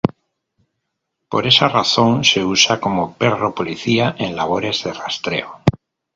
Por esa razón se usa como perro policía en labores de rastreo.